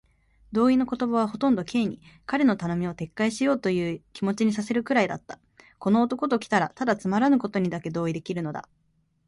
同意の言葉はほとんど Ｋ に、彼の頼みを撤回しようというという気持にさせるくらいだった。この男ときたら、ただつまらぬことにだけ同意できるのだ。